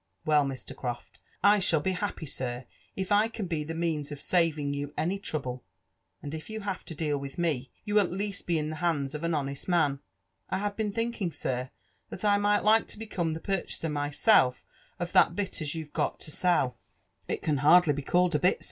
" Well, Mr. Croft, I shall be happy, sir, if I can be the means of saving you any trouble; and if you have to deal with me, you will at least be in (he hands of an honest man. I have been (hinking, sir, that I might like to become the purchaser myself of that bit as you've got to sell." JONATHAN JEPPERSON WHITLAW. 121 •« It can hardly be called a bit.